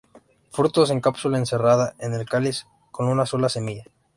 Frutos en cápsula encerrada en el cáliz, con una sola semilla.